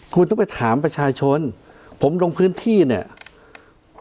คุณต้องไปถามประชาชนผมลงพื้นที่เนี่ย